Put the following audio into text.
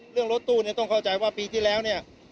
รถตู้เนี่ยต้องเข้าใจว่าปีที่แล้วเนี่ย